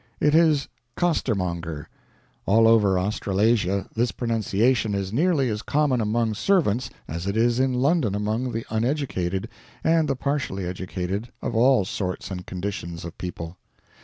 It is "costermonger." All over Australasia this pronunciation is nearly as common among servants as it is in London among the uneducated and the partially educated of all sorts and conditions of people.